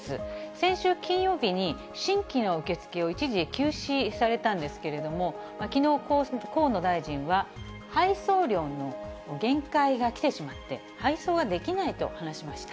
先週金曜日に、新規の受け付けを一時休止されたんですけれども、きのう河野大臣は、配送量の限界が来てしまって、配送ができないと話しました。